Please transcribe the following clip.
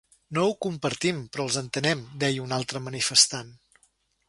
No ho compartim, però els entenem, deia una altra manifestant.